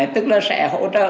tức là sẽ hỗ trợ